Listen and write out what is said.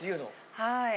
はい。